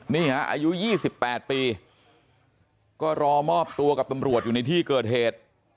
นี่ฮะอายุ๒๘ปีก็รอมอบตัวกับตำรวจอยู่ในที่เกิดเหตุ